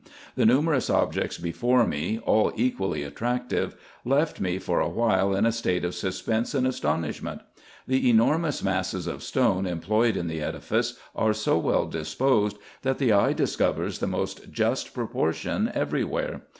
The nu merous objects before me, all equally attractive, left me for a while in a state of suspense and astonishment. The enormous masses of stone employed in the edifice are so well disposed, that the eye discovers the most just proportion every where.